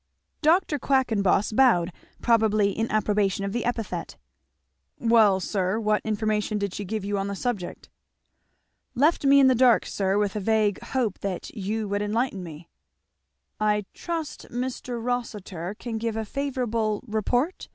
Dr. Quackenboss bowed, probably in approbation of the epithet. "Well sir what information did she give you on the subject?" "Left me in the dark, sir, with a vague hope that you would enlighten me." "I trust Mr. Rossitur can give a favourable report?"